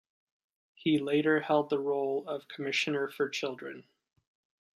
He later held the role of Commissioner for Children.